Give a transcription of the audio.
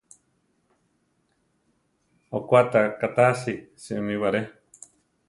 Okwá ta ká tasi suwinibo aré.